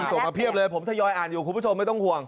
ส่งมาเพียบเลยผมทยอยอ่านอยู่คุณผู้ชมไม่ต้องห่วง